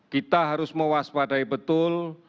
kita harus mewaspadai betul